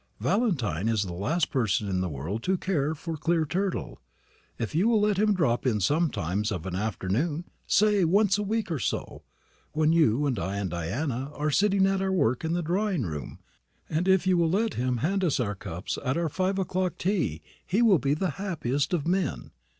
Valentine is the last person in the world to care for clear turtle. If you will let him drop in sometimes of an afternoon say once a week or so when you, and I, and Diana are sitting at our work in the drawing room, and if you will let him hand us our cups at our five o'clock tea, he will be the happiest of men.